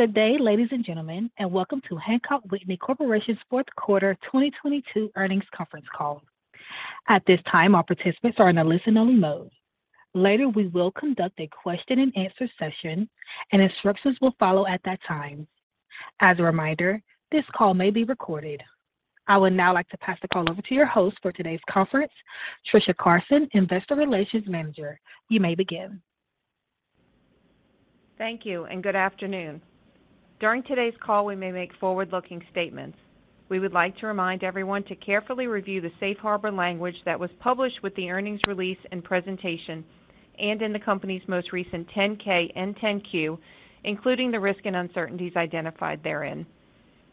Good day, ladies and gentlemen, welcome to Hancock Whitney Corporation's Fourth Quarter 2022 Earnings Conference Call. At this time, all participants are in a listen-only mode. Later, we will conduct a question and answer session, and instructions will follow at that time. As a reminder, this call may be recorded. I would now like to pass the call over to your host for today's conference, Kathryn Mistich, Investor Relations Manager. You may begin. Thank you and good afternoon. During today's call, we may make forward-looking statements. We would like to remind everyone to carefully review the safe harbor language that was published with the earnings release and presentation and in the company's most recent 10-K and 10-Q, including the risks and uncertainties identified therein.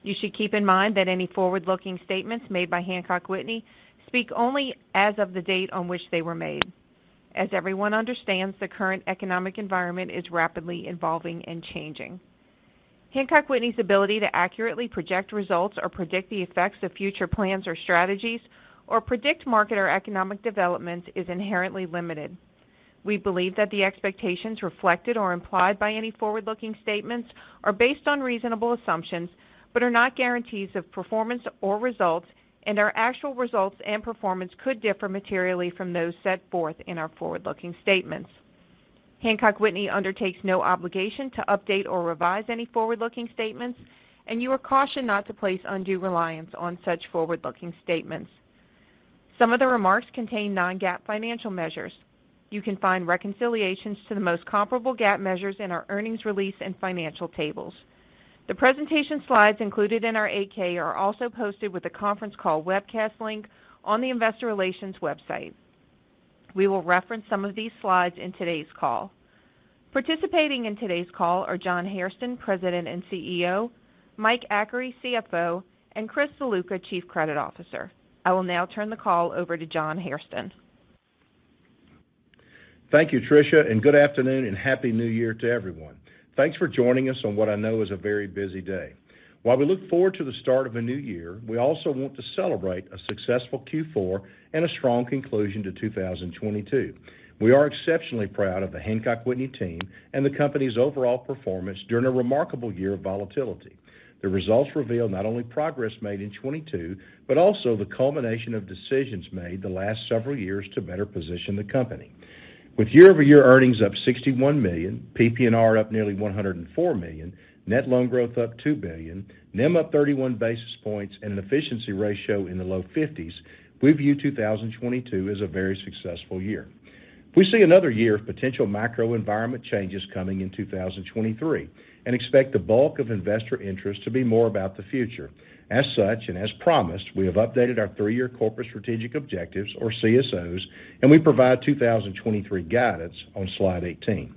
You should keep in mind that any forward-looking statements made by Hancock Whitney speak only as of the date on which they were made. As everyone understands, the current economic environment is rapidly evolving and changing. Hancock Whitney's ability to accurately project results or predict the effects of future plans or strategies or predict market or economic developments is inherently limited. We believe that the expectations reflected or implied by any forward-looking statements are based on reasonable assumptions, but are not guarantees of performance or results, and our actual results and performance could differ materially from those set forth in our forward-looking statements. Hancock Whitney undertakes no obligation to update or revise any forward-looking statements, and you are cautioned not to place undue reliance on such forward-looking statements. Some of the remarks contain non-GAAP financial measures. You can find reconciliations to the most comparable GAAP measures in our earnings release and financial tables. The presentation slides included in our 8-K are also posted with the conference call webcast link on the investor relations website. We will reference some of these slides in today's call. Participating in today's call are John Hairston, President and CEO; Mike Achary, CFO; and Chris Ziluca, Chief Credit Officer. I will now turn the call over to John Hairston. Thank you, Kathryn. Good afternoon and Happy New Year to everyone. Thanks for joining us on what I know is a very busy day. While we look forward to the start of a new year, we also want to celebrate a successful Q4 and a strong conclusion to 2022. We are exceptionally proud of the Hancock Whitney team and the company's overall performance during a remarkable year of volatility. The results reveal not only progress made in 22, but also the culmination of decisions made the last several years to better position the company. With year-over-year earnings up $61 million, PPNR up nearly $104 million, net loan growth up $2 billion, NIM up 31 basis points, and an efficiency ratio in the low fifties, we view 2022 as a very successful year. We see another year of potential macro environment changes coming in 2023 and expect the bulk of investor interest to be more about the future. As such and as promised, we have updated our three-year Corporate Strategic Objectives or CSOs, and we provide 2023 guidance on slide 18.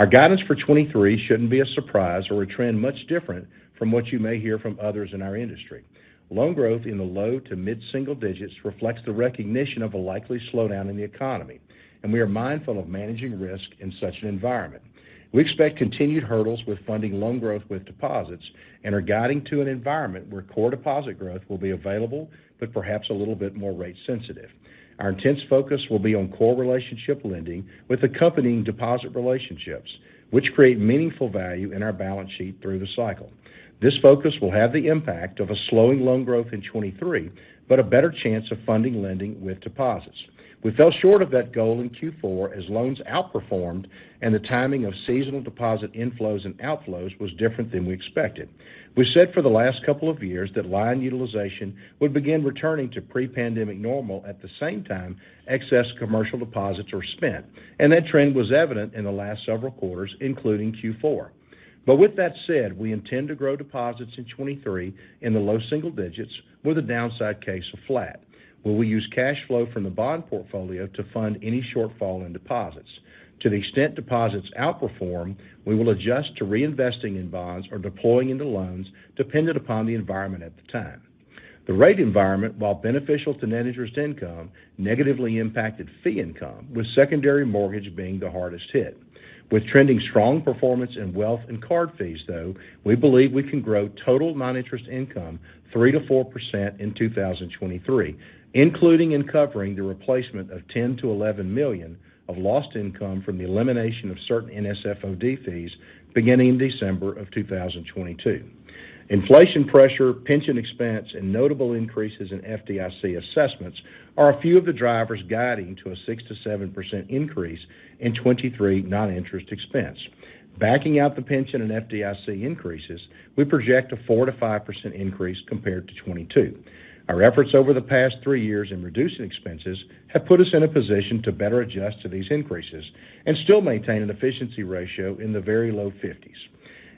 Our guidance for 23 shouldn't be a surprise or a trend much different from what you may hear from others in our industry. Loan growth in the low to mid-single digits reflects the recognition of a likely slowdown in the economy, and we are mindful of managing risk in such an environment. We expect continued hurdles with funding loan growth with deposits and are guiding to an environment where core deposit growth will be available but perhaps a little bit more rate sensitive. Our intense focus will be on core relationship lending with accompanying deposit relationships, which create meaningful value in our balance sheet through the cycle. This focus will have the impact of a slowing loan growth in 2023, but a better chance of funding lending with deposits. We fell short of that goal in Q4 as loans outperformed and the timing of seasonal deposit inflows and outflows was different than we expected. We said for the last couple of years that line utilization would begin returning to pre-pandemic normal at the same time excess commercial deposits were spent, and that trend was evident in the last several quarters, including Q4. With that said, we intend to grow deposits in 2023 in the low single digits with a downside case of flat, where we use cash flow from the bond portfolio to fund any shortfall in deposits. To the extent deposits outperform, we will adjust to reinvesting in bonds or deploying into loans dependent upon the environment at the time. The rate environment, while beneficial to net interest income, negatively impacted fee income, with secondary mortgage being the hardest hit. With trending strong performance in wealth and card fees, though, we believe we can grow total non-interest income 3%-4% in 2023, including and covering the replacement of $10 million-$11 million of lost income from the elimination of certain NSF/OD fees beginning December of 2022. Inflation pressure, pension expense, and notable increases in FDIC assessments are a few of the drivers guiding to a 6%-7% increase in 2023 non-interest expense. Backing out the pension and FDIC increases, we project a 4%-5% increase compared to 2022. Our efforts over the past three years in reducing expenses have put us in a position to better adjust to these increases and still maintain an efficiency ratio in the very low fifties.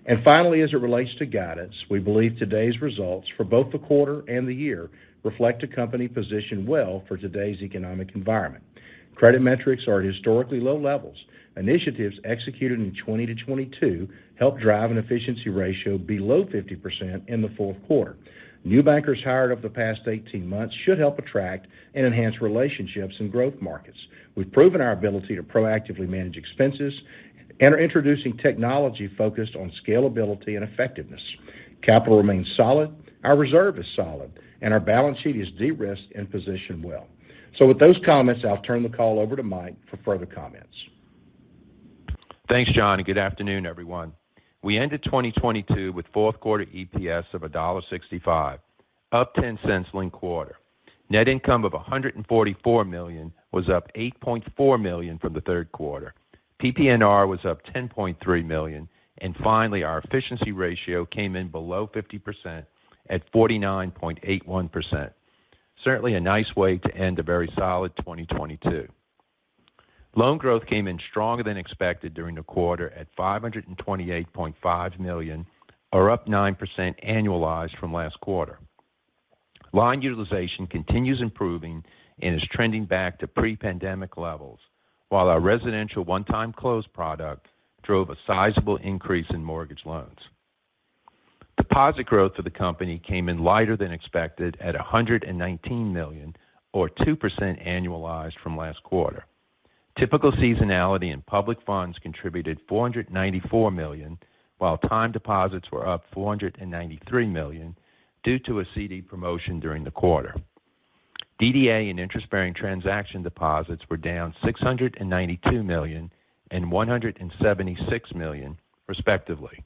As it relates to guidance, we believe today's results for both the quarter and the year reflect a company positioned well for today's economic environment. Credit metrics are at historically low levels. Initiatives executed in 20-22 helped drive an efficiency ratio below 50% in the 4th quarter. New bankers hired over the past 18 months should help attract and enhance relationships in growth markets. We've proven our ability to proactively manage expenses and are introducing technology focused on scalability and effectiveness. Capital remains solid, our reserve is solid, and our balance sheet is de-risked and positioned well. With those comments, I'll turn the call over to Mike for further comments. Thanks, John. Good afternoon, everyone. We ended 2022 with fourth quarter EPS of $1.65, up $0.10 linked quarter. Net income of $144 million was up $8.4 million from the third quarter. PPNR was up $10.3 million. Finally, our efficiency ratio came in below 50% at 49.81%. Certainly a nice way to end a very solid 2022. Loan growth came in stronger than expected during the quarter at $528.5 million or up 9% annualized from last quarter. Line utilization continues improving and is trending back to pre-pandemic levels, while our residential One-Time Close product drove a sizable increase in mortgage loans. Deposit growth for the company came in lighter than expected at $119 million or 2% annualized from last quarter. Typical seasonality in public funds contributed $494 million, while time deposits were up $493 million due to a CD promotion during the quarter. DDA and interest-bearing transaction deposits were down $692 million and $176 million, respectively.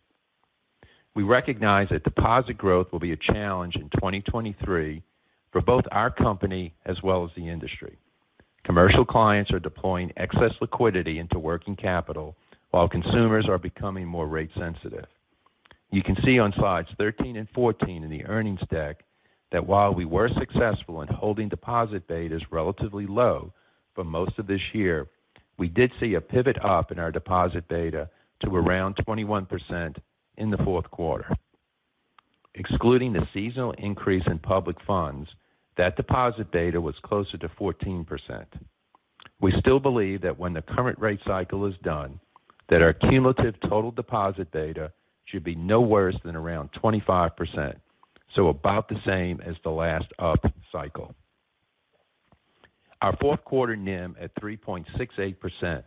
We recognize that deposit growth will be a challenge in 2023 for both our company as well as the industry. Commercial clients are deploying excess liquidity into working capital while consumers are becoming more rate sensitive. You can see on slides 13 and 14 in the earnings deck that while we were successful in holding deposit betas relatively low for most of this year, we did see a pivot up in our deposit beta to around 21% in the fourth quarter. Excluding the seasonal increase in public funds, that deposit beta was closer to 14%. We still believe that when the current rate cycle is done, that our cumulative total deposit beta should be no worse than around 25%, about the same as the last up cycle. Our fourth quarter NIM at 3.68%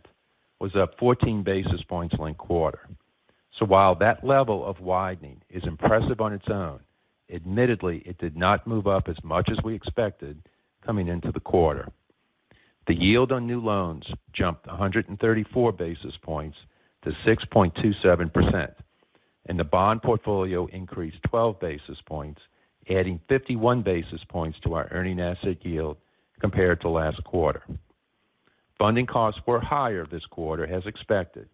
was up 14 basis points linked quarter. While that level of widening is impressive on its own, admittedly, it did not move up as much as we expected coming into the quarter. The yield on new loans jumped 134 basis points to 6.27%, the bond portfolio increased 12 basis points, adding 51 basis points to our earning asset yield compared to last quarter. Funding costs were higher this quarter as expected,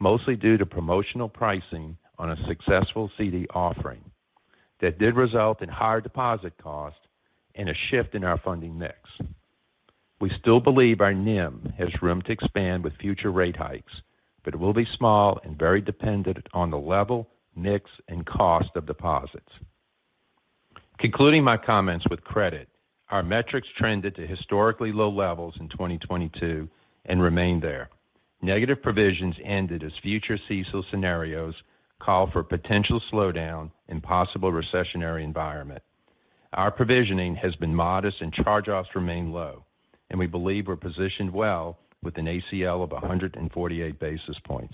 mostly due to promotional pricing on a successful CD offering that did result in higher deposit costs and a shift in our funding mix. We still believe our NIM has room to expand with future rate hikes, but it will be small and very dependent on the level, mix, and cost of deposits. Concluding my comments with credit, our metrics trended to historically low levels in 2022 and remained there. Negative provisions ended as future CECL scenarios call for potential slowdown and possible recessionary environment. Our provisioning has been modest and charge-offs remain low, and we believe we're positioned well with an ACL of 148 basis points.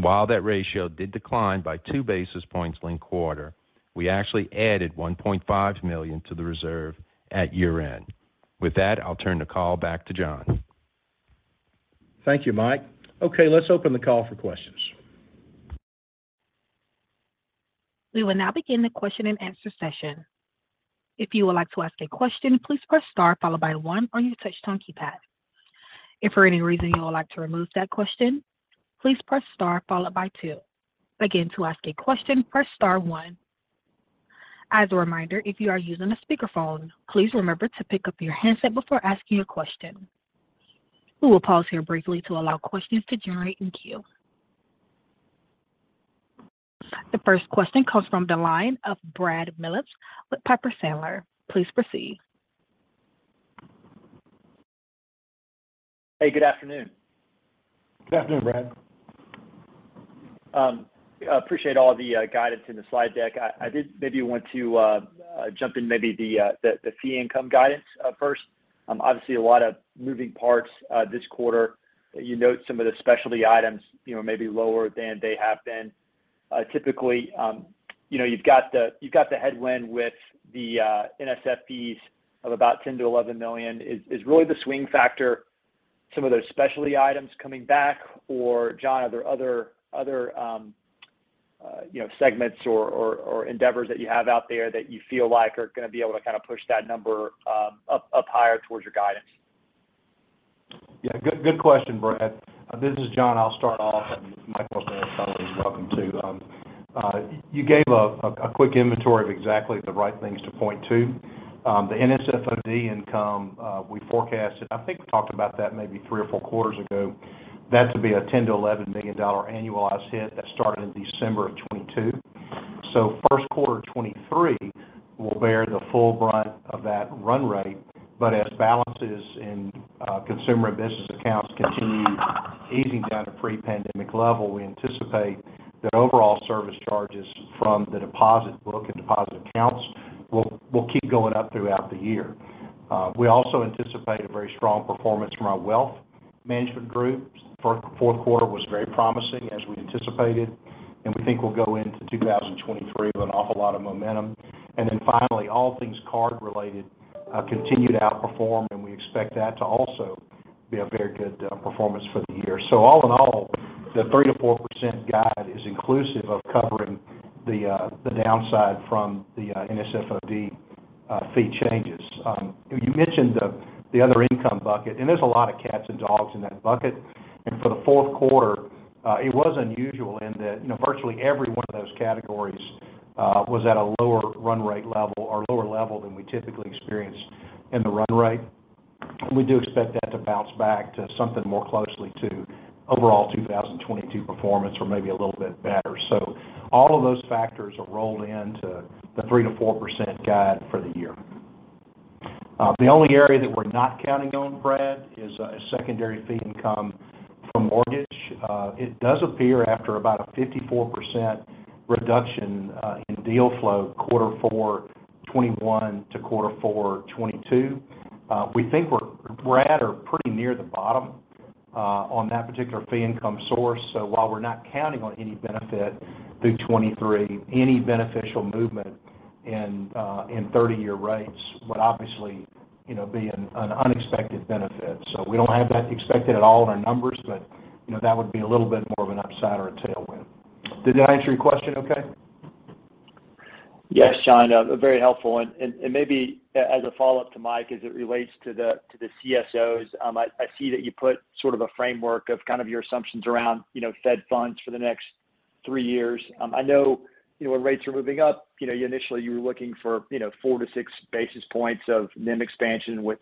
While that ratio did decline by 2 basis points linked quarter, we actually added $1.5 million to the reserve at year-end. With that, I'll turn the call back to John. Thank you, Mike. Okay, let's open the call for questions. We will now begin the question and answer session. If you would like to ask a question, please press star followed by one on your touch-tone keypad. If for any reason you would like to remove that question, please press star followed by two. Again, to ask a question, press star one. As a reminder, if you are using a speakerphone, please remember to pick up your handset before asking a question. We will pause here briefly to allow questions to generate in queue. The first question comes from the line of Brad Milsaps with Piper Sandler. Please proceed. Hey, good afternoon. Good afternoon, Brad. I appreciate all the guidance in the slide deck. I did maybe want to jump in maybe the fee income guidance first. Obviously a lot of moving parts this quarter. You note some of the specialty items, you know, may be lower than they have been. Typically, you know, you've got the, you've got the headwind with the NSFOD of about $10 million-$11 million. Is really the swing factor some of those specialty items coming back? Or John, are there other, you know, segments or endeavors that you have out there that you feel like are gonna be able to kind of push that number up higher towards your guidance? Yeah. Good question, Brad. This is John. I'll start off, and welcome to. You gave a quick inventory of exactly the right things to point to. The NSFOD income we forecasted. I think we talked about that maybe three or four quarters ago. That's will be a $10 million-$11 million annualized hit that started in December of 2022. First quarter 2023 will bear the full brunt of that run rate. As balances in consumer and business accounts continue easing down to pre-pandemic level, we anticipate that overall service charges from the deposit book and deposit accounts will keep going up throughout the year. We also anticipate a very strong performance from our wealth management groups for fourth quarter was very promising as we anticipated, and we think we'll go into 2023 with an awful lot of momentum. Then finally, all things card related continue to outperform, and we expect that to also be a very good performance for the year. So all in all, the 3%-4% guide is inclusive of covering the downside from the NSFOD fee changes. You mentioned the other income bucket, and there's a lot of cats and dogs in that bucket. And for the fourth quarter, it was unusual in that, you know, virtually every one of those categories was at a lower run rate level or lower level than we typically experience in the run rate. We do expect that to bounce back to something more closely to overall 2022 performance or maybe a little bit better. All of those factors are rolled into the 3%-4% guide for the year. The only area that we're not counting on, Brad, is secondary fee income from mortgage. It does appear after about a 54% reduction in deal flow Q4 2021 to Q4 2022. We think we're at or pretty near the bottom on that particular fee income source. While we're not counting on any benefit through 2023, any beneficial movement in 30-year rates would obviously, you know, be an unexpected benefit. We don't have that expected at all in our numbers, but, you know, that would be a little bit more of an upside or a tailwind. Did that answer your question okay? Yes, John. very helpful. Maybe as a follow-up to Mike as it relates to the CSOs. I see that you put sort of a framework of kind of your assumptions around, you know, Fed funds for the next 3 years. I know, you know, when rates are moving up, you know, initially you were looking for, you know, 4 to 6 basis points of NIM expansion with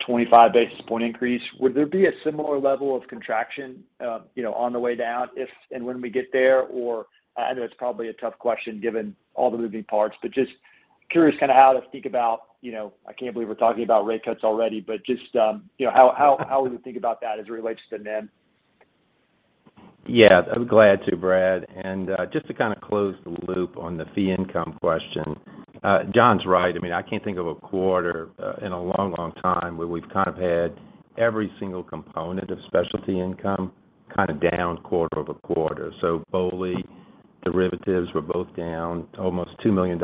each 25 basis point increase. Would there be a similar level of contraction, you know, on the way down if and when we get there? I know it's probably a tough question given all the moving parts, but just curious kind of how to think about, you know, I can't believe we're talking about rate cuts already, but just, you know, how would you think about that as it relates to NIM? Yeah, I'm glad to, Brad. Just to kind of close the loop on the fee income question. John's right. I mean, I can't think of a quarter in a long, long time where we've kind of had every single component of specialty income kind of down quarter-over-quarter. BOLI derivatives were both down almost $2 million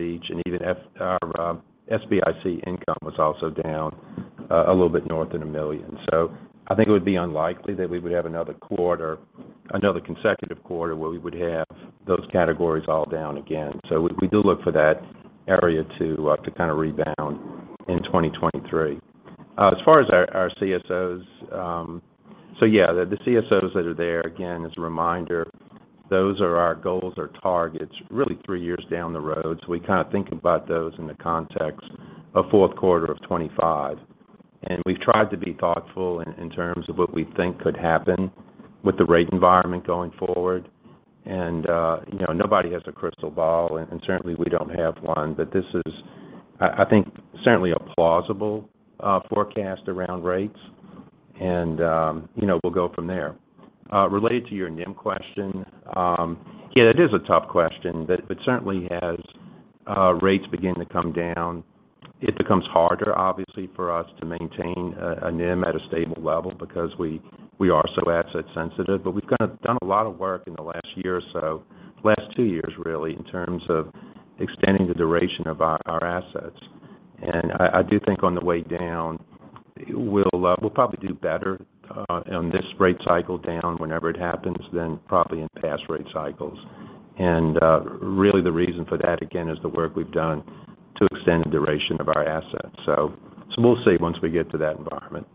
each, and even our SBIC income was also down a little bit north of $1 million. I think it would be unlikely that we would have another consecutive quarter where we would have those categories all down again. We do look for that area to kind of rebound in 2023. As far as our CSOs, yeah, the CSOs that are there, again, as a reminder, those are our goals or targets really three years down the road. We kind of think about those in the context of fourth quarter of 2025. We've tried to be thoughtful in terms of what we think could happen with the rate environment going forward. You know, nobody has a crystal ball and certainly we don't have one. This is, I think, certainly a plausible forecast around rates and, you know, we'll go from there. Related to your NIM question, yeah, that is a tough question. Certainly as rates begin to come down, it becomes harder obviously for us to maintain a NIM at a stable level because we are so asset sensitive. We've kind of done a lot of work in the last year or so, last two years really, in terms of extending the duration of our assets. I do think on the way down, we'll probably do better on this rate cycle down whenever it happens than probably in past rate cycles. Really the reason for that again is the work we've done to extend the duration of our assets. We'll see once we get to that environment.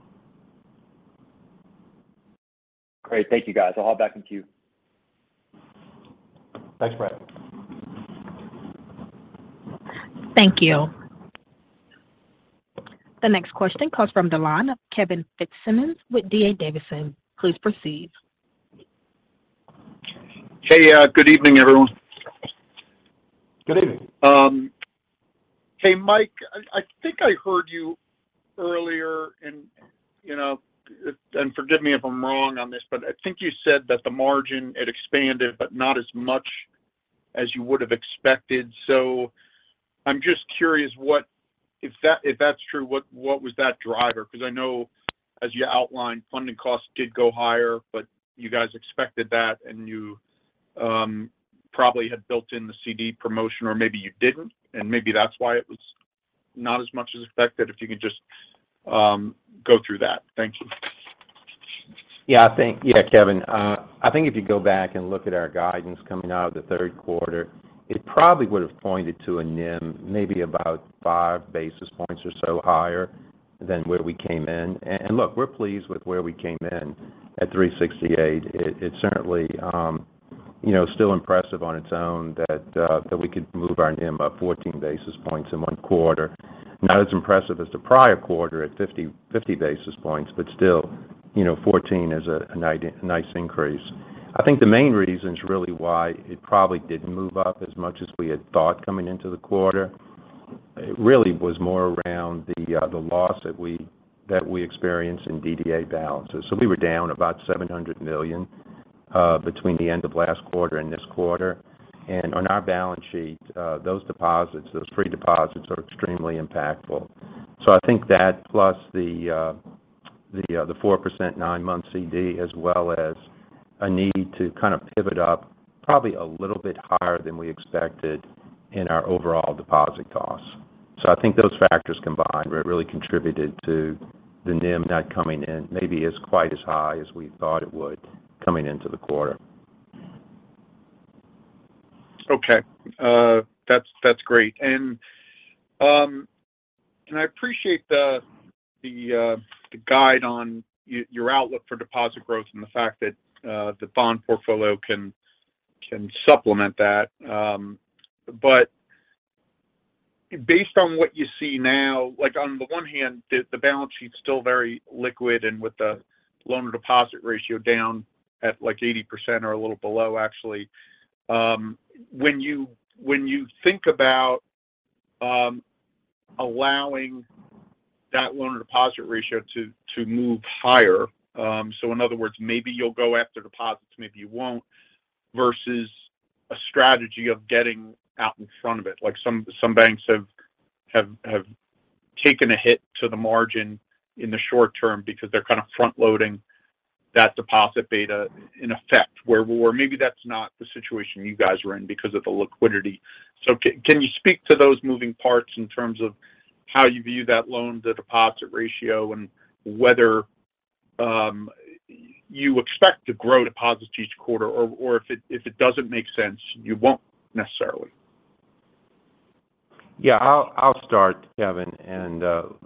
Great. Thank you, guys. I'll hop back in queue. Thanks, Brad. Thank you. The next question comes from the line of Kevin Fitzsimmons with D.A. Davidson. Please proceed. Hey, good evening, everyone. Good evening. Hey, Mike, I think I heard you earlier and, you know, and forgive me if I'm wrong on this, but I think you said that the margin had expanded but not as much as you would have expected. I'm just curious if that's true, what was that driver? Because I know as you outlined, funding costs did go higher, but you guys expected that and you probably had built in the CD promotion or maybe you didn't, and maybe that's why it was not as much as expected. If you could just go through that. Thank you. Yeah, Kevin, I think if you go back and look at our guidance coming out of the third quarter, it probably would have pointed to a NIM maybe about 5 basis points or so higher than where we came in. Look, we're pleased with where we came in at 3.68. It certainly, you know, still impressive on its own that we could move our NIM up 14 basis points in 1 quarter. Not as impressive as the prior quarter at 50 basis points, but still, you know, 14 is a nice increase. I think the main reason is really why it probably didn't move up as much as we had thought coming into the quarter. It really was more around the loss that we experienced in DDA balances. We were down about $700 million between the end of last quarter and this quarter. On our balance sheet, those deposits, those free deposits are extremely impactful. I think that plus the 4% 9-month CD as well as a need to kind of pivot up probably a little bit higher than we expected in our overall deposit costs. I think those factors combined really contributed to the NIM not coming in maybe as quite as high as we thought it would coming into the quarter. Okay. That's great. I appreciate the guide on your outlook for deposit growth and the fact that the bond portfolio can supplement that. Based on what you see now, like on the one hand, the balance sheet's still very liquid and with the loan deposit ratio down at like 80% or a little below actually. When you think about allowing that loan deposit ratio to move higher, in other words, maybe you'll go after deposits, maybe you won't, versus a strategy of getting out in front of it. Like some banks have taken a hit to the margin in the short term because they're kind of front-loading that deposit beta in effect, or maybe that's not the situation you guys are in because of the liquidity. Can you speak to those moving parts in terms of how you view that loan deposit ratio and whether you expect to grow deposits each quarter, or if it doesn't make sense, you won't necessarily? Yeah. I'll start, Kevin.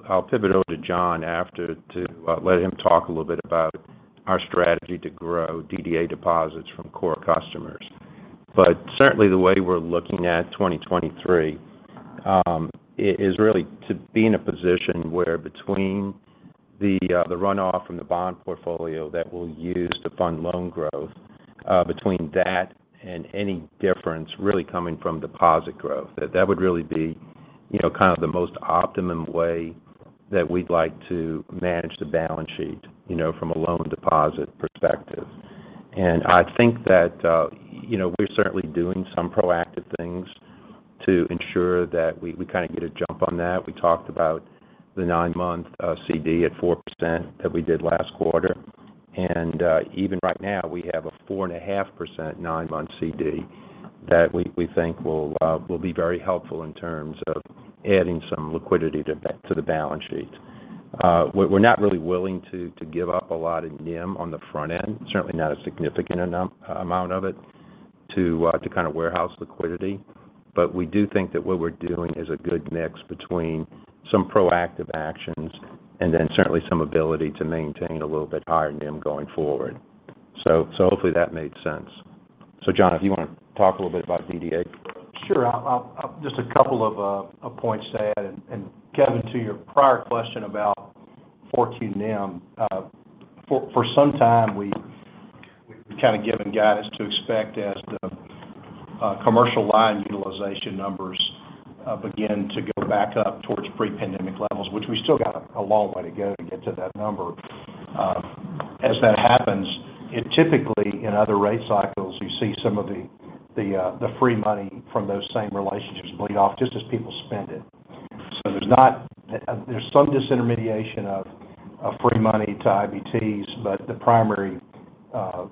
I'll pivot over to John after to let him talk a little bit about our strategy to grow DDA deposits from core customers. Certainly, the way we're looking at 2023 is really to be in a position where between the runoff from the bond portfolio that we'll use to fund loan growth, between that and any difference really coming from deposit growth. That would really be, you know, kind of the most optimum way that we'd like to manage the balance sheet, you know, from a loan deposit perspective. I think that, you know, we're certainly doing some proactive things to ensure that we kind of get a jump on that. We talked about the 9-month CD at 4% that we did last quarter. Even right now, we have a 4.5% 9-month CD that we think will be very helpful in terms of adding some liquidity to the balance sheet. We're not really willing to give up a lot in NIM on the front end, certainly not a significant amount of it, to kind of warehouse liquidity. We do think that what we're doing is a good mix between some proactive actions and then certainly some ability to maintain a little bit higher NIM going forward. Hopefully that made sense. John, if you want to talk a little bit about DDA growth. Sure. Just a couple of points to add. Kevin, to your prior question about 14 NIM. for some time, we've kind of given guidance to expect as the commercial line utilization numbers begin to go back up towards pre-pandemic levels, which we still got a long way to go to get to that number. As that happens, it typically, in other rate cycles, you see some of the free money from those same relationships bleed off just as people spend it. There's some disintermediation of free money to IBTs, but the primary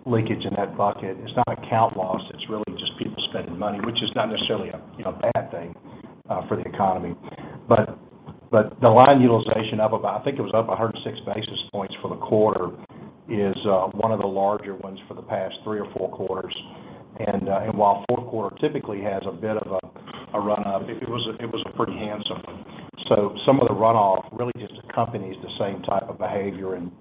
leakage in that bucket is not account loss, it's really just people spending money, which is not necessarily a, you know, bad thing for the economy. The line utilization up about, I think it was up 106 basis points for the quarter is one of the larger ones for the past three or four quarters. While fourth quarter typically has a bit of a run up, it was a pretty handsome one. Some of the runoff really just accompanies the same type of behavior and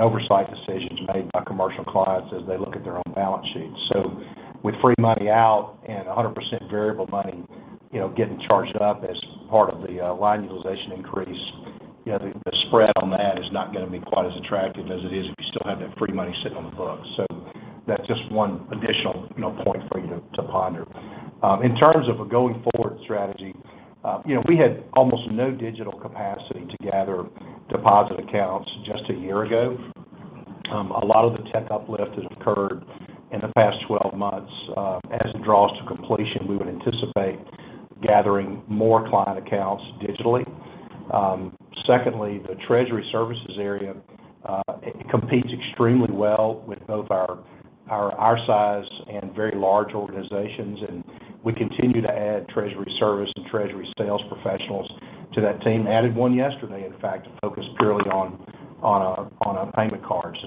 oversight decisions made by commercial clients as they look at their own balance sheets. With free money out and 100% variable money, you know, getting charged up as part of the line utilization increase, you know, the spread on that is not gonna be quite as attractive as it is if you still have that free money sitting on the books. That's just one additional, you know, point for you to ponder. In terms of a going forward strategy, you know, we had almost no digital capacity to gather deposit accounts just a year ago. A lot of the tech uplift has occurred in the past 12 months. As it draws to completion, we would anticipate gathering more client accounts digitally. Secondly, the treasury services area, it competes extremely well with both our size and very large organizations, and we continue to add treasury service and treasury sales professionals to that team. Added one yesterday, in fact, focused purely on our payment cards.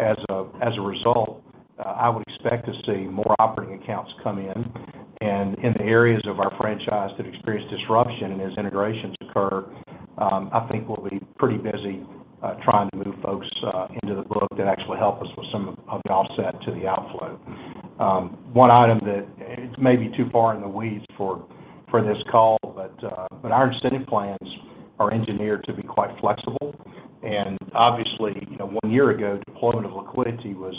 As a result, I would expect to see more operating accounts come in. In the areas of our franchise that experience disruption as integrations occur, I think we'll be pretty busy trying to move folks into the book that actually help us with some of the offset to the outflow. One item that is maybe too far in the weeds for this call, but our incentive plans are engineered to be quite flexible. Obviously, you know, 1 year ago, deployment of liquidity was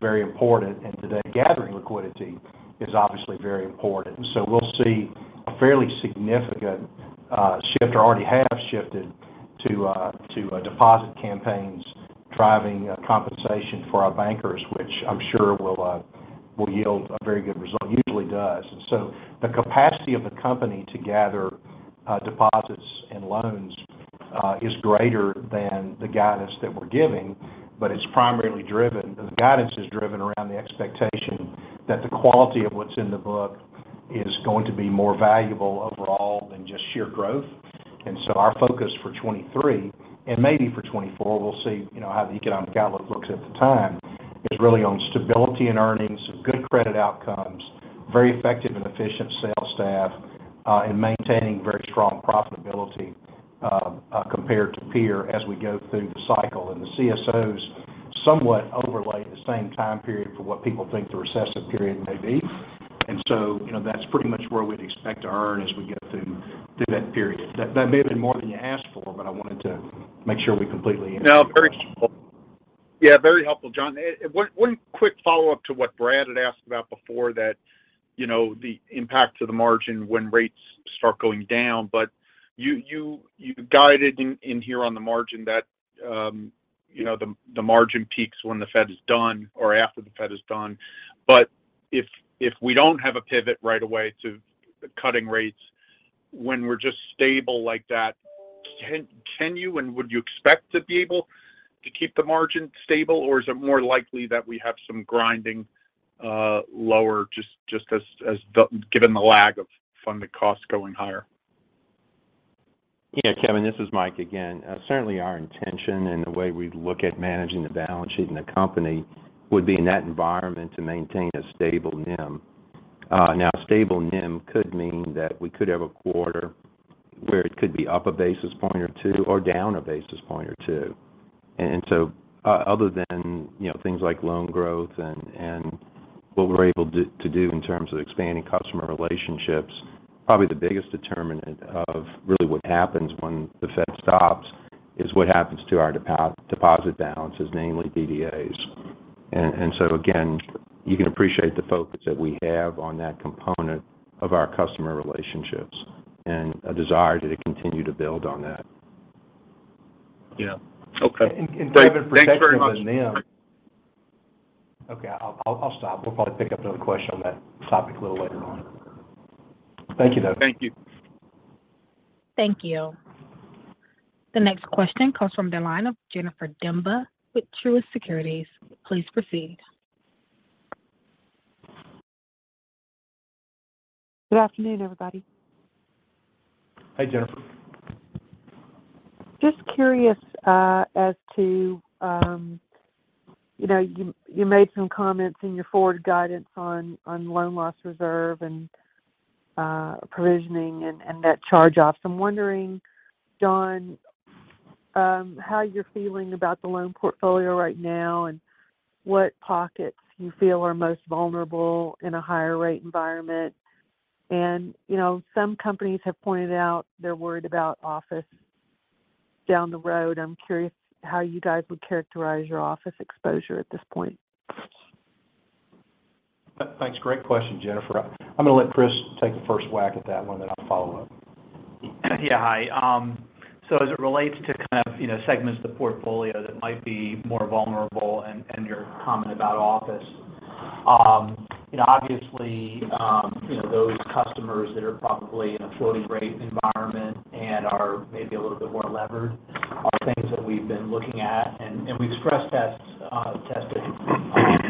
very important, and today gathering liquidity is obviously very important. We'll see a fairly significant shift or already have shifted to a deposit campaigns driving compensation for our bankers, which I'm sure will yield a very good result. It usually does. The capacity of the company to gather, deposits and loans, is greater than the guidance that we're giving, but it's primarily driven, the guidance is driven around the expectation that the quality of what's in the book is going to be more valuable overall than just sheer growth. Our focus for 23, and maybe for 24, we'll see, you know, how the economic outlook looks at the time, is really on stability and earnings, good credit outcomes, very effective and efficient sales staff, and maintaining very strong profitability, compared to peer as we go through the cycle. The CSOs somewhat overlay the same time period for what people think the recessive period may be. You know, that's pretty much where we'd expect to earn as we get through that period. That may have been more than you asked for, but I wanted to make sure we. No, very helpful. Yeah, very helpful, John. One quick follow-up to what Brad had asked about before that, you know, the impact to the margin when rates start going down. You guided in here on the margin that, you know, the margin peaks when the Fed is done or after the Fed is done. If we don't have a pivot right away to cutting rates when we're just stable like that, can you and would you expect to be able to keep the margin stable? Is it more likely that we have some grinding lower just as given the lag of funded costs going higher? Yeah, Kevin, this is Mike again. Certainly, our intention and the way we look at managing the balance sheet in the company would be in that environment to maintain a stable NIM. Now, stable NIM could mean that we could have a quarter where it could be up 1 basis point or 2, or down 1 basis point or 2. Other than, you know, things like loan growth and what we're able to do in terms of expanding customer relationships, probably the biggest determinant of really what happens when the Fed stops is what happens to our deposit balances, namely DDAs. Again, you can appreciate the focus that we have on that component of our customer relationships and a desire to continue to build on that. Yeah. Okay. Kevin- Thanks very much.... protection of the NIM. Okay. I'll stop. We'll probably pick up another question on that topic a little later on. Thank you, though. Thank you. Thank you. The next question comes from the line of Jennifer Demba with Truist Securities. Please proceed. Good afternoon, everybody. Hi, Jennifer. Just curious, as to, you know, you made some comments in your forward guidance on loan loss reserve and provisioning and net charge-offs. I'm wondering, John, how you're feeling about the loan portfolio right now and what pockets you feel are most vulnerable in a higher rate environment? You know, some companies have pointed out they're worried about office down the road. I'm curious how you guys would characterize your office exposure at this point? Thanks. Great question, Jennifer. I'm gonna let Chris take the first whack at that one, then I'll follow up. Yeah. Hi. As it relates to kind of, you know, segments of the portfolio that might be more vulnerable and your comment about office, you know, obviously, you know, those customers that are probably in a floating rate environment and are maybe a little bit more levered are things that we've been looking at. We've stress tested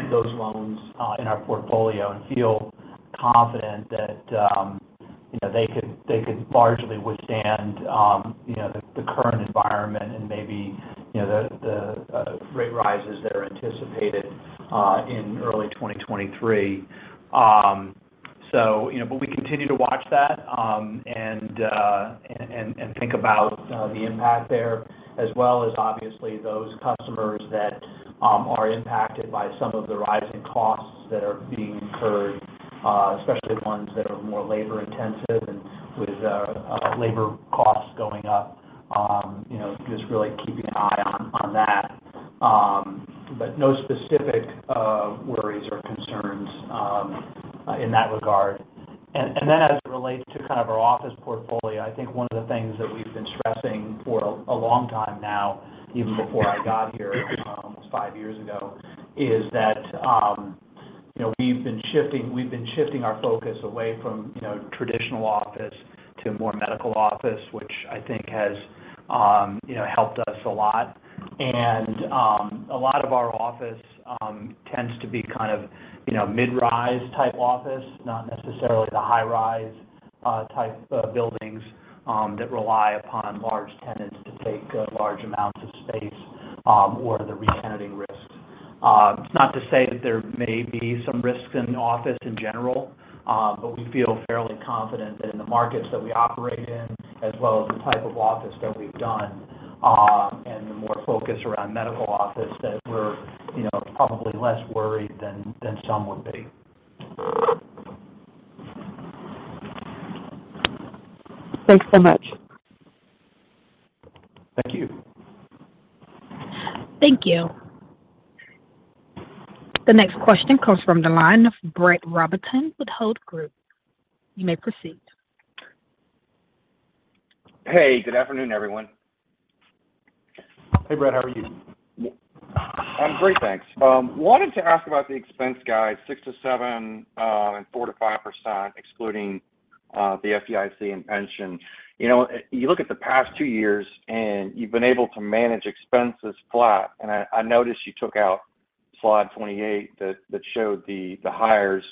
those loans in our portfolio and feel confident that, you know, they could largely withstand, you know, the current environment and maybe, you know, the rate rises that are anticipated in early 2023. You know, but we continue to watch that, and think about the impact there as well as obviously those customers that are impacted by some of the rising costs that are being incurred, especially ones that are more labor-intensive and with labor costs going up, you know, just really keeping an eye on that. No specific worries or concerns in that regard. Then as it relates to kind of our office portfolio, I think one of the things that we've been stressing for a long time now, even before I got here, almost 5 years ago, is that, you know, we've been shifting our focus away from, you know, traditional office to more medical office, which I think has, you know, helped us a lot. A lot of our office tends to be kind of, you know, mid-rise type office, not necessarily the high-rise type buildings that rely upon large tenants to take large amounts of space or the re-tenanting risks. It's not to say that there may be some risks in office in general, but we feel fairly confident that in the markets that we operate in, as well as the type of office that we've done, and the more focus around medical office, that we're, you know, probably less worried than some would be. Thanks so much. Thank you. Thank you. The next question comes from the line of Brett Rabatin with Hovde Group. You may proceed. Hey, good afternoon, everyone. Hey, Brett. How are you? I'm great, thanks. Wanted to ask about the expense guide 6-7 and 4%-5% excluding the FDIC and pension. You know, you look at the past 2 years, you've been able to manage expenses flat, and I noticed you took out slide 28 that showed the hires.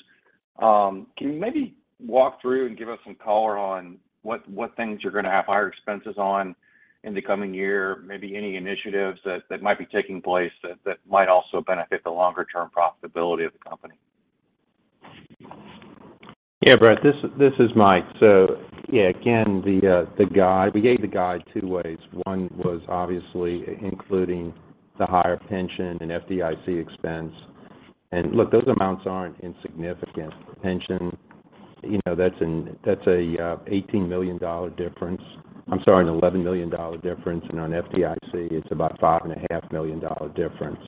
Can you maybe walk through and give us some color on what things you're gonna have higher expenses on in the coming year? Maybe any initiatives that might be taking place that might also benefit the longer term profitability of the company? Yeah, Brett, this is Mike. Yeah, again, we gave the guide two ways. One was obviously including the higher pension and FDIC expense. Look, those amounts aren't insignificant. Pension, you know, that's a $18 million difference. I'm sorry, an $11 million difference. On FDIC, it's about $5.5 million difference.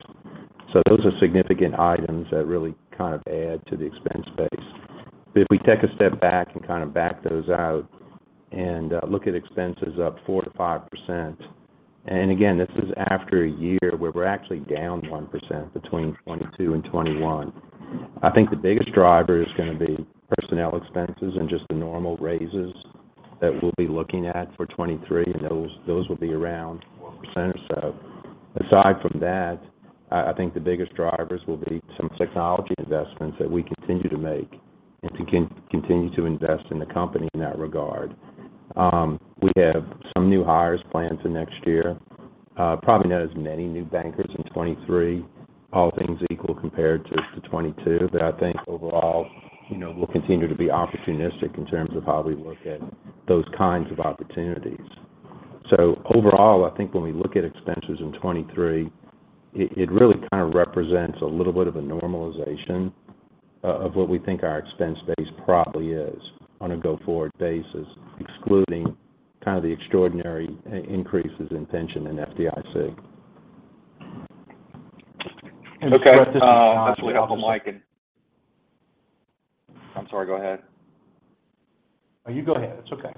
Those are significant items that really kind of add to the expense base. If we take a step back and kind of back those out and look at expenses up 4%-5%. Again, this is after a year where we're actually down 1% between 2022 and 2021. I think the biggest driver is gonna be personnel expenses and just the normal raises that we'll be looking at for 2023. Those will be around 4% or so. Aside from that, I think the biggest drivers will be some technology investments that we continue to make and to continue to invest in the company in that regard. We have some new hires planned for next year. Probably not as many new bankers in 2023, all things equal, compared to 2022. I think overall, you know, we'll continue to be opportunistic in terms of how we look at those kinds of opportunities. Overall, I think when we look at expenses in 2023, it really kind of represents a little bit of a normalization of what we think our expense base probably is on a go-forward basis, excluding kind of the extraordinary increases in pension and FDIC. Okay. Brett, this is John. That's okay. I'll go Mike. I'm sorry, go ahead. Oh, you go ahead. It's okay.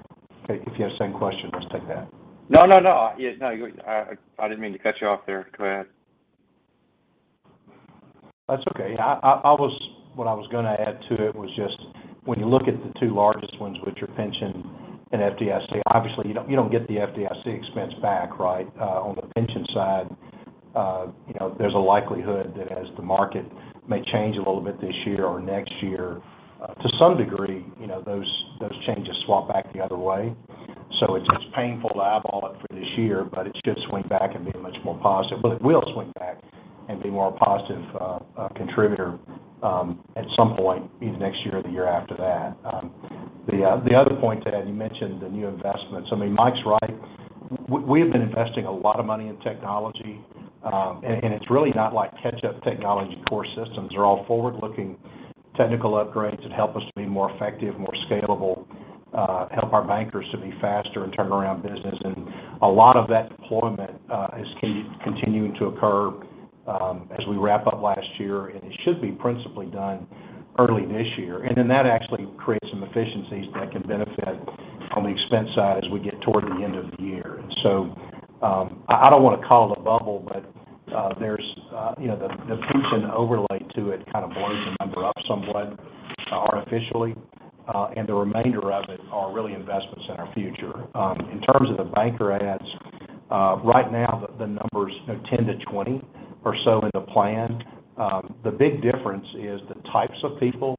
If you have the same question, just take that. No, no. Yeah, no, I didn't mean to cut you off there. Go ahead. That's okay. What I was gonna add to it was just when you look at the two largest ones, which are pension and FDIC, obviously you don't, you don't get the FDIC expense back, right? On the pension side, you know, there's a likelihood that as the market may change a little bit this year or next year, to some degree, you know, those changes swap back the other way. It's, it's painful to eyeball it for this year, but it should swing back and be much more positive. It will swing back and be more a positive, contributor, at some point either next year or the year after that. The other point to add, you mentioned the new investments. I mean, Mike's right. We have been investing a lot of money in technology, and it's really not like catch-up technology. Core systems are all forward-looking technical upgrades that help us to be more effective, more scalable, help our bankers to be faster and turn around business. A lot of that deployment is continuing to occur as we wrap up last year, and it should be principally done early this year. That actually creates some efficiencies that can benefit on the expense side as we get toward the end of the year. I don't want to call it a bubble, but there's, you know, the pension overlay to it kind of blows the number up somewhat artificially. The remainder of it are really investments in our future. In terms of the banker adds, right now the numbers are 10-20 or so in the plan. The big difference is the types of people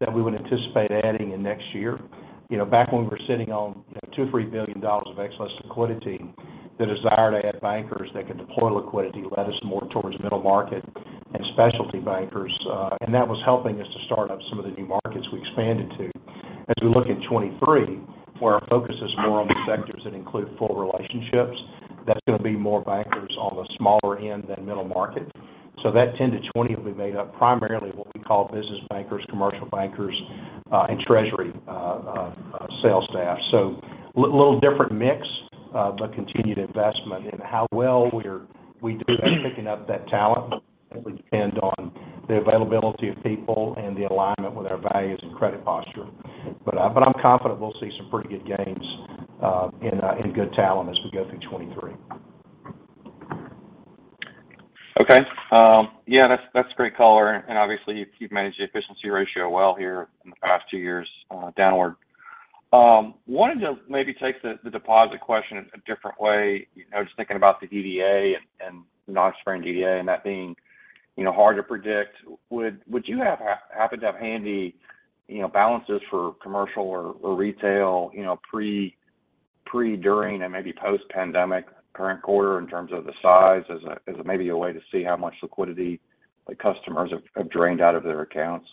that we would anticipate adding in next year. You know, back when we were sitting on, you know, $2 billion-$3 billion of excess liquidity, the desire to add bankers that could deploy liquidity led us more towards middle market and specialty bankers. And that was helping us to start up some of the new markets we expanded to. As we look at 2023, where our focus is more on the sectors that include full relationships, that's gonna be more bankers on the smaller end than middle market. That 10-20 will be made up primarily of what we call business bankers, commercial bankers, and treasury sales staff. Little different mix, but continued investment. How well we do at picking up that talent will depend on the availability of people and the alignment with our values and credit posture. I'm confident we'll see some pretty good gains in good talent as we go through 2023. Okay. Yeah, that's a great color. Obviously you've managed the efficiency ratio well here in the past two years, downward. Wanted to maybe take the deposit question a different way. You know, just thinking about the DDA and non-stream DDA and that being, you know, hard to predict. Would you happen to have handy, you know, balances for commercial or retail, you know, pre, during, and maybe post-pandemic current quarter in terms of the size as a way to see how much liquidity the customers have drained out of their accounts?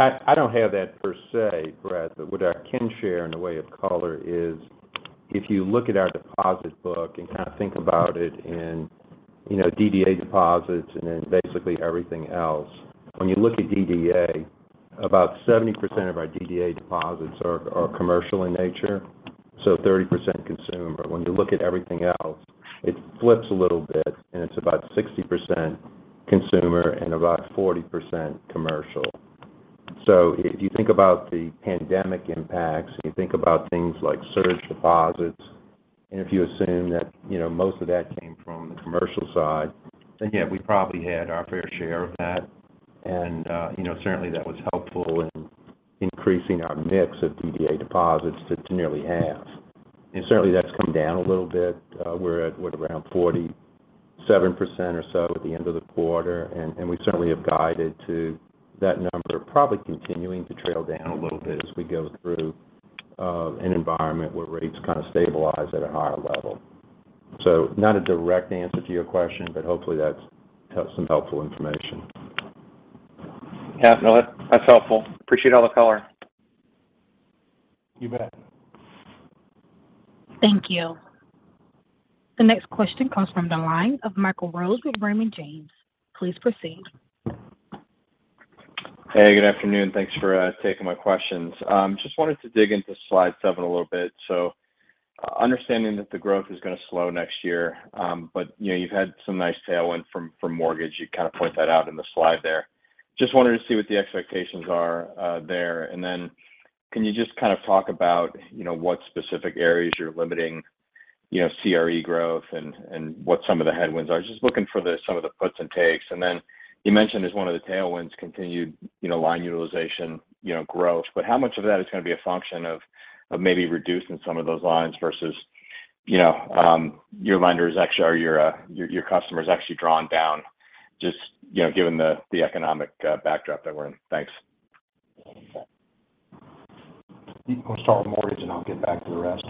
I don't have that per se, Brett, but what I can share in the way of color is if you look at our deposit book and kind of think about it in, you know, DDA deposits and then basically everything else. When you look at DDA, about 70% of our DDA deposits are commercial in nature. 30% consumer. When you look at everything else, it flips a little bit, it's about 60% consumer and about 40% commercial. If you think about the pandemic impacts and you think about things like surge deposits, and if you assume that, you know, most of that came from the commercial side, then yeah, we probably had our fair share of that. You know, certainly that was helpful in increasing our mix of DDA deposits to nearly half. Certainly, that's come down a little bit. We're at, what, around 47% or so at the end of the quarter, and we certainly have guided to that number, probably continuing to trail down a little bit as we go through an environment where rates kind of stabilize at a higher level. Not a direct answer to your question, but hopefully that's some helpful information. Yeah, no, that's helpful. Appreciate all the color. You bet. Thank you. The next question comes from the line of Michael Rose with Raymond James. Please proceed. Hey, good afternoon. Thanks for taking my questions. Just wanted to dig into slide 7 a little bit. Understanding that the growth is gonna slow next year, but, you know, you've had some nice tailwind from mortgage. You kind of point that out in the slide there. Just wanted to see what the expectations are there. Can you just kind of talk about, you know, what specific areas you're limiting, you know, CRE growth and what some of the headwinds are? Just looking for some of the puts and takes. You mentioned as one of the tailwinds continued, you know, line utilization, you know, growth, but how much of that is gonna be a function of maybe reducing some of those lines versus, you know, your lenders actually, or your customers actually drawing down just, you know, given the economic backdrop that we're in. Thanks. You can start with mortgage, and I'll get back to the rest.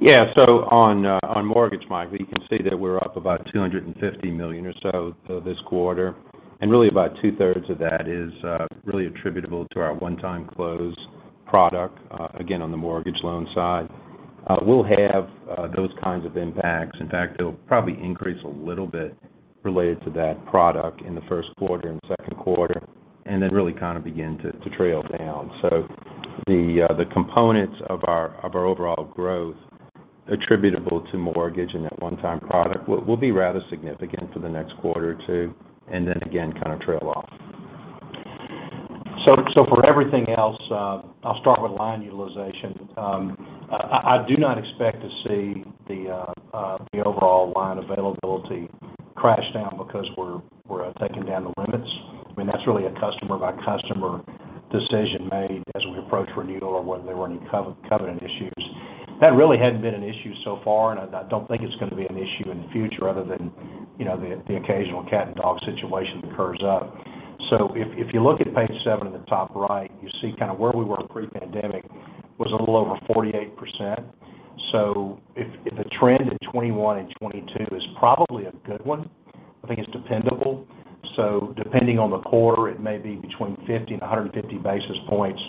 Yeah. On mortgage, Mike, you can see that we're up about $250 million or so this quarter. Really about two-thirds of that is really attributable to our One-Time Close product again, on the mortgage loan side. We'll have those kinds of impacts. In fact, they'll probably increase a little bit related to that product in the first quarter and second quarter, and then really kind of begin to trail down. The components of our overall growth attributable to mortgage and that One-Time product will be rather significant for the next quarter or two, and then again, kind of trail off. For everything else, I'll start with line utilization. I do not expect to see the overall line availability crash down because we're taking down the limits. I mean, that's really a customer by customer decision made as we approach renewal or whether there were any covenant issues. That really hadn't been an issue so far, and I don't think it's gonna be an issue in the future other than, you know, the occasional cat and dog situation that occurs up. If you look at page seven in the top right, you see kind of where we were pre-pandemic was a little over 48%. If the trend in 2021 and 2022 is probably a good one, I think it's dependable. Depending on the quarter, it may be between 50 and 150 basis points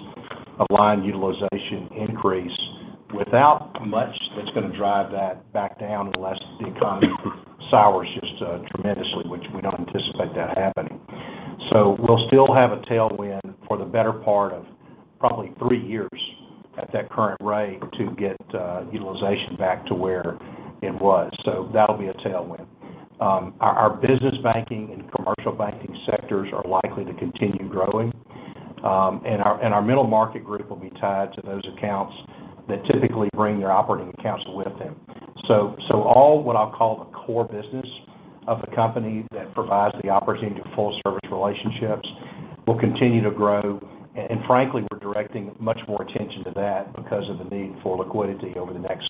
of line utilization increase without much that's gonna drive that back down unless the economy sours just tremendously, which we don't anticipate that happening. We'll still have a tailwind for the better part of probably three years at that current rate to get utilization back to where it was. That'll be a tailwind. Our business banking and commercial banking sectors are likely to continue growing. Our middle market group will be tied to those accounts that typically bring their operating accounts with them. All what I'll call the core business of the company that provides the opportunity to full service relationships will continue to grow. Frankly, we're directing much more attention to that because of the need for liquidity over the next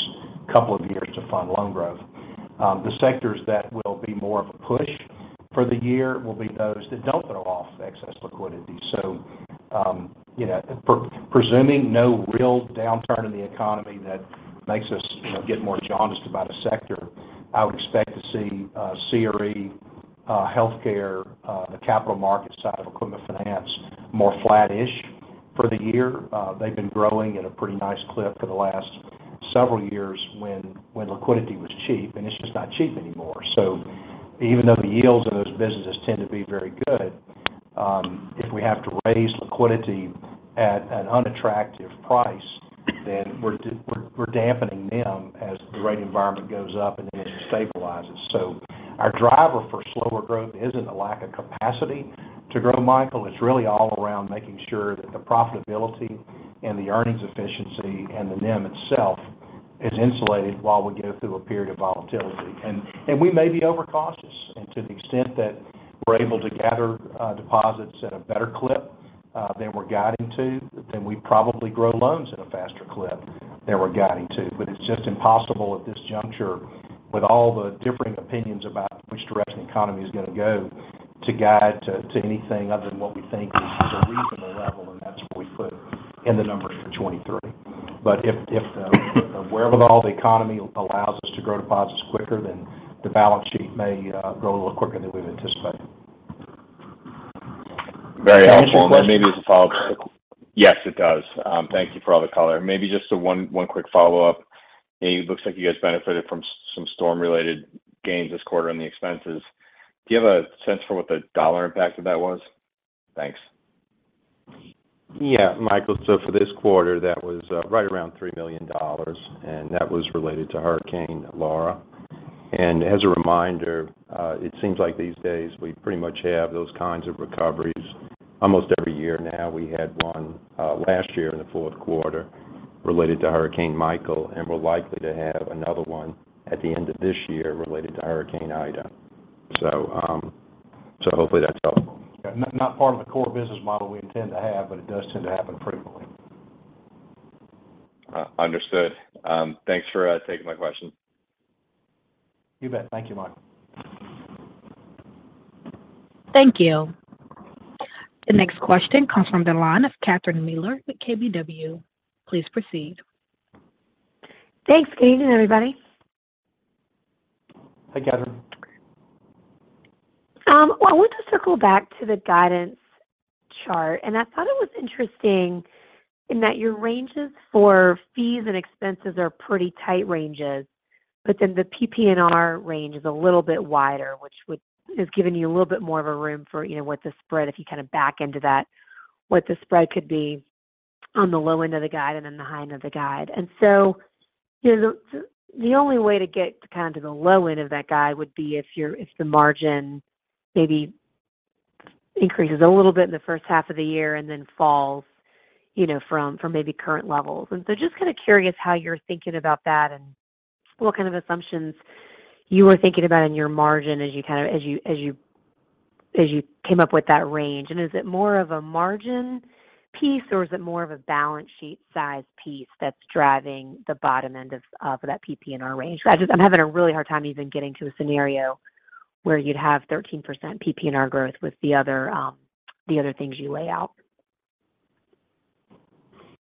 couple of years to fund loan growth. The sectors that will be more of a push for the year will be those that don't throw off excess liquidity. You know, presuming no real downturn in the economy that makes us, you know, get more jaundiced about a sector, I would expect to see CRE, healthcare, the capital market side of equipment finance, more flat-ish for the year. They've been growing at a pretty nice clip for the last several years when liquidity was cheap, and it's just not cheap anymore. Even though the yields of those businesses tend to be very good, if we have to raise liquidity at an unattractive price, then we're dampening NIM as the rate environment goes up and as it stabilizes. Our driver for slower growth isn't a lack of capacity to grow, Michael. It's really all around making sure that the profitability and the earnings efficiency and the NIM itself is insulated while we go through a period of volatility. We may be overcautious. To the extent that we're able to gather deposits at a better clip than we're guiding to, then we probably grow loans at a faster clip than we're guiding to. It's just impossible at this juncture with all the differing opinions about which direction the economy is gonna go to guide to anything other than what we think is a reasonable level, and that's what we put in the numbers for 2023. If, if, wherewithal the economy allows us to grow deposits quicker, then the balance sheet may grow a little quicker than we've anticipated. Very helpful. Does that answer your question? Maybe as a follow-up. Yes, it does. Thank you for all the color. Maybe just one quick follow-up. It looks like you guys benefited from some storm-related gains this quarter on the expenses. Do you have a sense for what the dollar impact of that was? Thanks. Yeah, Michael. For this quarter, that was right around $3 million, and that was related to Hurricane Laura. As a reminder, it seems like these days we pretty much have those kinds of recoveries almost every year now. We had one last year in the fourth quarter related to Hurricane Michael, and we're likely to have another one at the end of this year related to Hurricane Ida. Hopefully that's helpful. Not, not part of the core business model we intend to have, but it does tend to happen frequently. Understood. Thanks for taking my question. You bet. Thank you, Mike. Thank you. The next question comes from the line of Catherine Mealor with KBW. Please proceed. Thanks, Kathryn, and everybody. Hi, Catherine. I want to circle back to the guidance chart, I thought it was interesting in that your ranges for fees and expenses are pretty tight ranges. The PPNR range is a little bit wider, which is giving you a little bit more of a room for, you know, what the spread, if you kind of back into that, what the spread could be on the low end of the guide and then the high end of the guide. You know, the only way to get kind of to the low end of that guide would be if the margin maybe increases a little bit in the first half of the year and then falls, you know, from maybe current levels. Just kind of curious how you're thinking about that and what kind of assumptions you were thinking about in your margin as you kind of, as you came up with that range. Is it more of a margin piece, or is it more of a balance sheet size piece that's driving the bottom end of that PPNR range? I'm having a really hard time even getting to a scenario where you'd have 13% PPNR growth with the other things you lay out.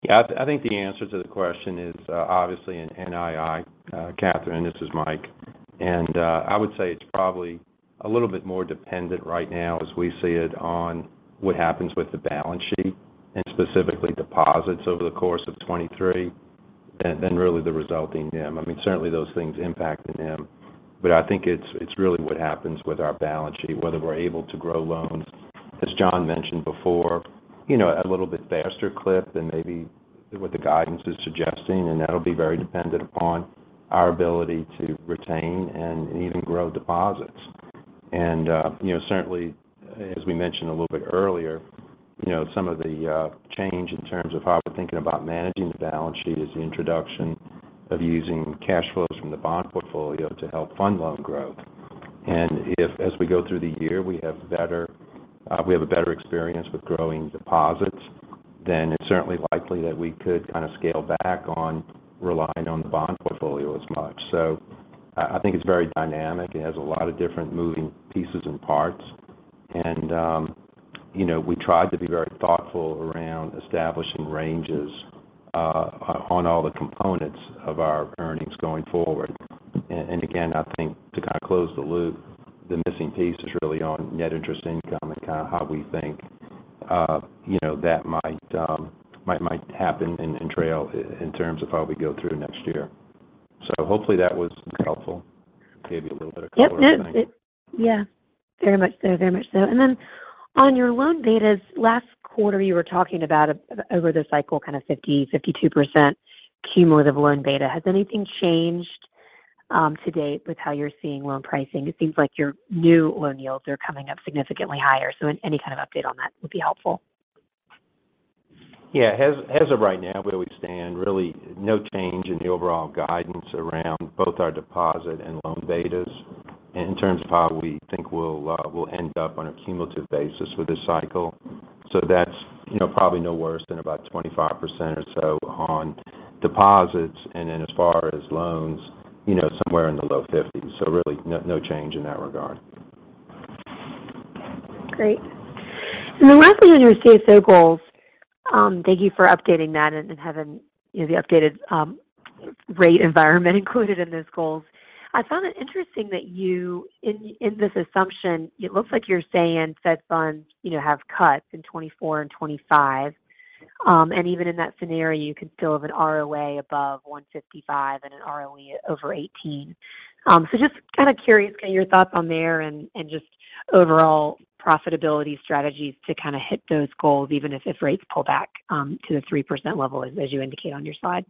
Yeah. I think the answer to the question is obviously in NII, Kathryn, this is Mike. I would say it's probably a little bit more dependent right now as we see it on what happens with the balance sheet and specifically deposits over the course of 2023 and really the resulting NIM. I mean, certainly those things impact the NIM, but I think it's really what happens with our balance sheet, whether we're able to grow loans, as John mentioned before, you know, at a little bit faster clip than maybe what the guidance is suggesting, and that'll be very dependent upon our ability to retain and even grow deposits. You know, certainly as we mentioned a little bit earlier, you know, some of the change in terms of how we're thinking about managing the balance sheet is the introduction of using cash flows from the bond portfolio to help fund loan growth. If as we go through the year, we have better, we have a better experience with growing deposits, then it's certainly likely that we could kind of scale back on relying on the bond portfolio as much. I think it's very dynamic. It has a lot of different moving pieces and parts. You know, we tried to be very thoughtful around establishing ranges, on all the components of our earnings going forward. Again, I think to kind of close the loop, the missing piece is really on net interest income and kind of how we think, you know, that might happen and trail in terms of how we go through next year. Hopefully that was helpful. Gave you a little bit of color, I think. Yep. No, it... Yeah. Very much so. Very much so. On your loan betas, last quarter you were talking about over the cycle, kind of 50%-52% cumulative loan beta. Has anything changed to date with how you're seeing loan pricing? It seems like your new loan yields are coming up significantly higher. Any kind of update on that would be helpful. As of right now, where we stand, really no change in the overall guidance around both our deposit and loan betas in terms of how we think we'll end up on a cumulative basis with this cycle. That's, you know, probably no worse than about 25% or so on deposits. As far as loans, you know, somewhere in the low 50s. Really no change in that regard. Great. Then lastly, on your CSO goals, thank you for updating that and having, you know, the updated, rate environment included in those goals. I found it interesting that you in this assumption, it looks like you're saying Fed funds, you know, have cuts in 2024 and 2025. Even in that scenario, you can still have an ROA above 1.55% and an ROE over 18%. Just kind of curious your thoughts on there and just overall profitability strategies to kind of hit those goals, even if rates pull back to the 3% level as you indicate on your slide.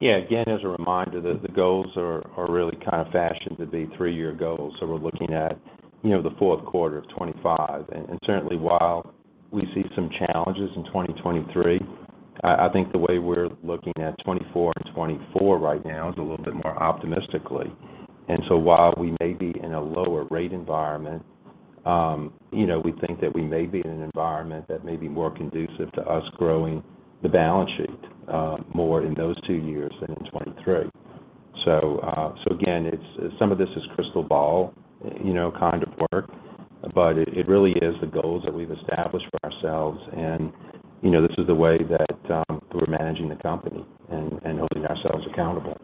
Yeah. Again, as a reminder that the goals are really kind of fashioned to be three year goals. We're looking at, you know, the fourth quarter of 2025. Certainly while we see some challenges in 2023, I think the way we're looking at 2024 and 2024 right now is a little bit more optimistically. While we may be in a lower rate environment, you know, we think that we may be in an environment that may be more conducive to us growing the balance sheet more in those two years than in 2023. Again, it's some of this is crystal ball, you know, kind of work, but it really is the goals that we've established for ourselves. You know, this is the way that we're managing the company and holding ourselves accountable.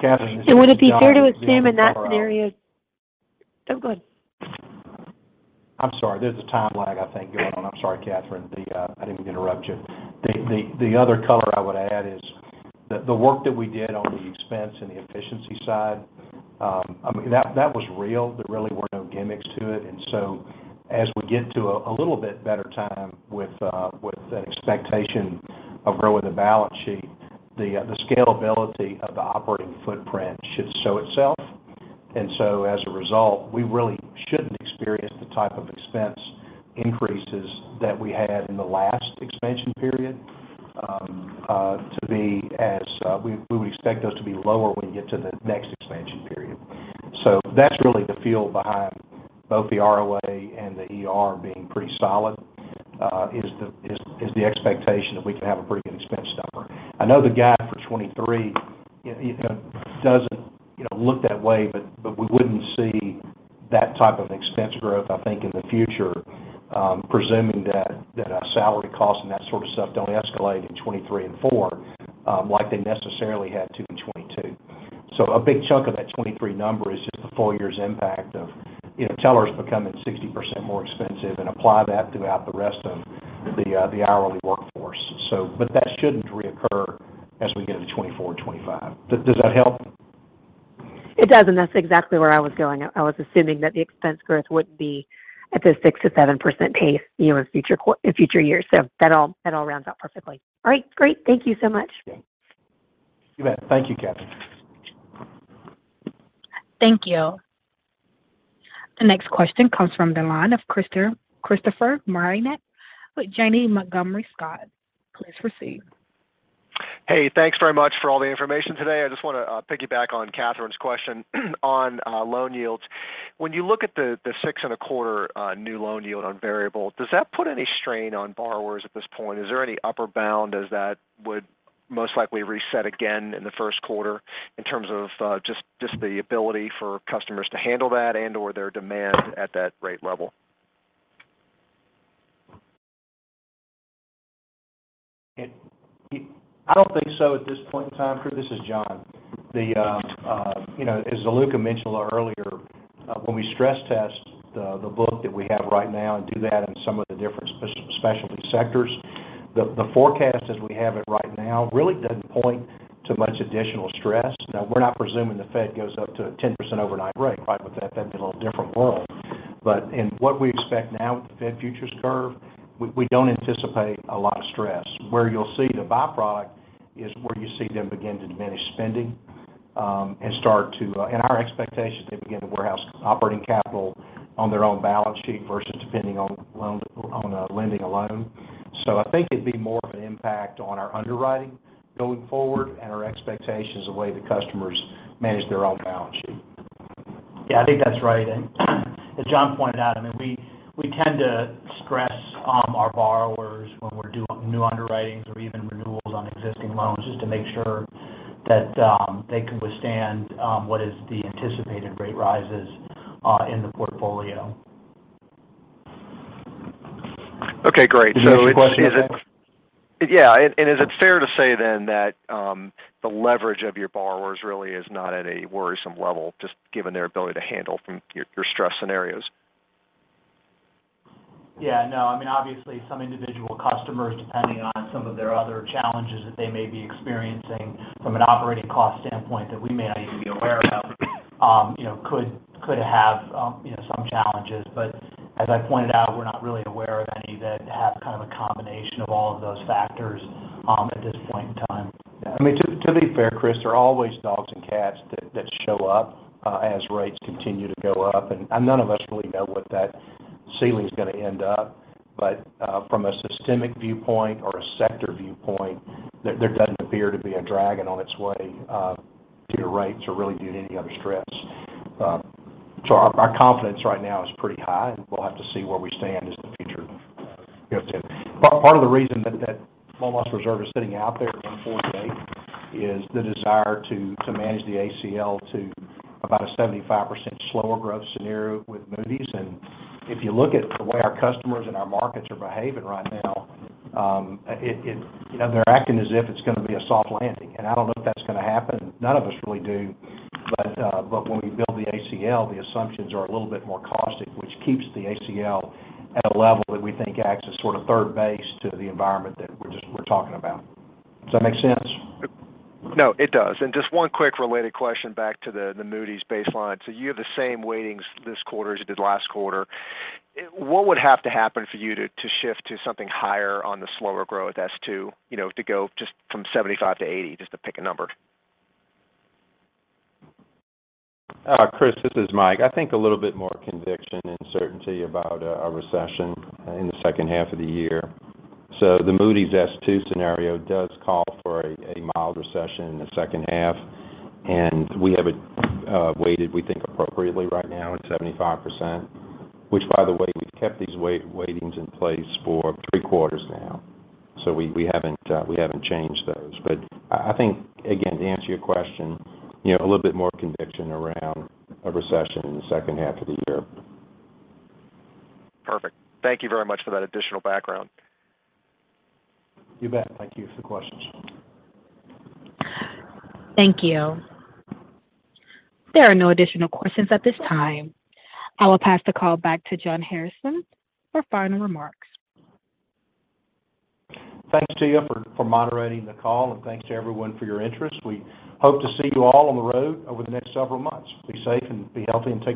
Catherine, this is John. Would it be fair to assume in that scenario. Oh, go ahead. I'm sorry. There's a time lag, I think, going on. I'm sorry, Catherine. I didn't mean to interrupt you. The other color I would add is. The work that we did on the expense and the efficiency side, I mean, that was real. There really were no gimmicks to it. As we get to a little bit better time with an expectation of growing the balance sheet, the scalability of the operating footprint should show itself. As a result, we really shouldn't experience the type of expense increases that we had in the last expansion period. We would expect those to be lower when you get to the next expansion period. That's really the feel behind both the ROA and the ER being pretty solid, is the expectation that we can have a pretty good expense number. I know the guide for 2023, you know, doesn't, you know, look that way. We wouldn't see that type of expense growth, I think, in the future, presuming that salary costs and that sort of stuff don't escalate in 2023 and 2024, like they necessarily had to in 2022. A big chunk of that 2023 number is just the full year's impact of, you know, tellers becoming 60% more expensive and apply that throughout the rest of the hourly workforce. That shouldn't reoccur as we get into 2024 and 2025. Does that help? It does. That's exactly where I was going. I was assuming that the expense growth wouldn't be at the 6%-7% pace, you know, in future years. That all rounds out perfectly. All right, great. Thank you so much. You bet. Thank you, Catherine. Thank you. The next question comes from the line of Christopher Marinac with Janney Montgomery Scott. Please proceed. Hey, thanks very much for all the information today. I just wanna piggyback on Catherine's question on loan yields. When you look at the 6 and a quarter% new loan yield on variable, does that put any strain on borrowers at this point? Is there any upper bound as that would most likely reset again in the first quarter in terms of just the ability for customers to handle that and/or their demand at that rate level? I don't think so at this point in time, Chris. This is John. The, you know, as Ziluca mentioned a little earlier, when we stress test the book that we have right now and do that in some of the different specialty sectors, the forecast as we have it right now really doesn't point to much additional stress. Now we're not presuming the Fed goes up to a 10% overnight rate, right? With that'd be a little different world. In what we expect now with the Fed futures curve, we don't anticipate a lot of stress. Where you'll see the byproduct is where you see them begin to diminish spending and start to, in our expectations, they begin to warehouse operating capital on their own balance sheet versus depending on loan, on lending alone. I think it'd be more of an impact on our underwriting going forward and our expectations the way the customers manage their own balance sheet. Yeah, I think that's right. As John pointed out, I mean, we tend to stress our borrowers when we're doing new underwritings or even renewals on existing loans just to make sure that they can withstand what is the anticipated rate rises in the portfolio. Okay, great. Is it? You have a question, Chris? Yeah. Is it fair to say then that, the leverage of your borrowers really is not at a worrisome level, just given their ability to handle from your stress scenarios? Yeah, no, I mean, obviously some individual customers, depending on some of their other challenges that they may be experiencing from an operating cost standpoint that we may not even be aware of, you know, could have, you know, some challenges. As I pointed out, we're not really aware of any that have kind of a combination of all of those factors, at this point in time. Yeah. I mean, to be fair, Chris, there are always dogs and cats that show up as rates continue to go up. None of us really know what that ceiling's gonna end up. From a systemic viewpoint or a sector viewpoint, there doesn't appear to be a dragon on its way to rates or really due to any other stress. Our confidence right now is pretty high, and we'll have to see where we stand as the future goes on. Part of the reason that loan loss reserve is sitting out there in 48 is the desire to manage the ACL to about a 75% slower growth scenario with Moody's. If you look at the way our customers and our markets are behaving right now, you know, they're acting as if it's gonna be a soft landing. I don't know if that's gonna happen, none of us really do. When we build the ACL, the assumptions are a little bit more caustic, which keeps the ACL at a level that we think acts as sort of third base to the environment that we're just talking about. Does that make sense? No, it does. Just one quick related question back to the Moody's baseline. You have the same weightings this quarter as you did last quarter. What would have to happen for you to shift to something higher on the slower growth, S2, you know, to go just from 75 to 80, just to pick a number? Chris, this is Mike. I think a little bit more conviction and certainty about a recession in the second half of the year. The Moody's S2 scenario does call for a mild recession in the second half, and we have it weighted, we think, appropriately right now at 75%. Which by the way, we've kept these weightings in place for 3 quarters now. We haven't changed those. I think, again, to answer your question, you know, a little bit more conviction around a recession in the second half of the year. Perfect. Thank you very much for that additional background. You bet. Thank you for the questions. Thank you. There are no additional questions at this time. I will pass the call back to John Hairston for final remarks. Thanks, Tia, for moderating the call. Thanks to everyone for your interest. We hope to see you all on the road over the next several months. Be safe and be healthy, and take care.